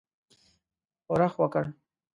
ښورښ وکړ.